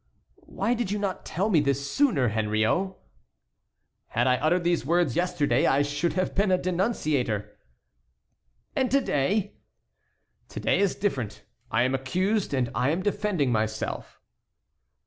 '" "Why did you not tell me this sooner, Henriot?" "Had I uttered these words yesterday I should have been a denunciator." "And to day?" "To day is different—I am accused and I am defending myself."